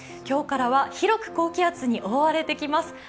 今日からは広く高気圧に覆われてきます。